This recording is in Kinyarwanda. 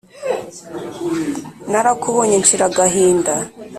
narakubonye nshira agahinda